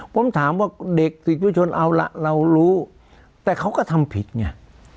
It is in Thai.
ผมถามว่าเด็กสิทธิชนเอาล่ะเรารู้แต่เขาก็ทำผิดไง